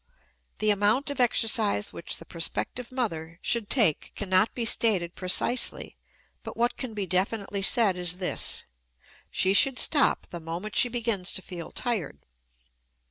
The amount of exercise which the prospective mother should take cannot be stated precisely, but what can be definitely said is this she should stop the moment she begins to feel tired.